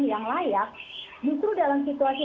yang layak justru dalam situasi